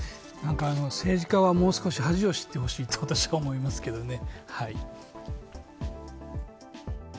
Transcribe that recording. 政治家はもう少し恥を知ってほしいと私は思いますけどね。